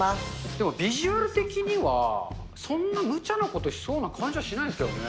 でも、ビジュアル的には、そんな無茶なことしそうな感じはしないですけどね。